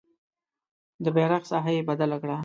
د بیرغ ساحه یې بدله کړه.